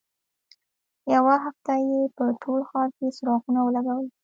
یوه هفته یې په ټول ښار کې څراغونه ولګول.